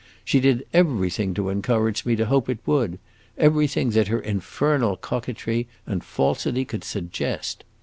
She did everything to encourage me to hope it would; everything that her infernal coquetry and falsity could suggest."